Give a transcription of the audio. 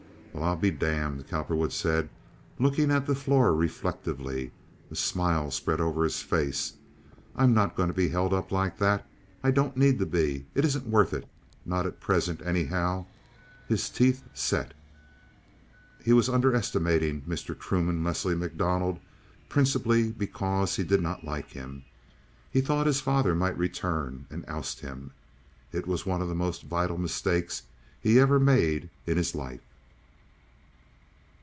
"Well, I'll be damned!" Cowperwood said, looking at the floor reflectively. A smile spread over his face. "I'm not going to be held up like that. I don't need to be. It isn't worth it. Not at present, anyhow." His teeth set. He was underestimating Mr. Truman Leslie MacDonald, principally because he did not like him. He thought his father might return and oust him. It was one of the most vital mistakes he ever made in his life.